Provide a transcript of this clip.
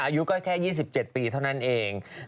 อายุก็แค่๒๗ปีเท่านั้นเอง